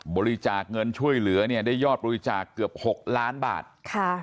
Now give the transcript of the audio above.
บริจาคเงินช่วยเหลือเนี่ยได้ยอดบริจาคเกือบหกล้านบาทค่ะ